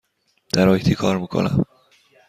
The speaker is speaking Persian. در آی تی کار می کنم.